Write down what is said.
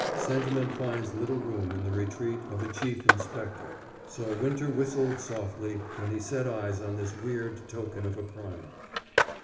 Sentiment finds little room in the retreat of a Chief Inspector, so Winter whistled softly when he set eyes on this weird token of a crime.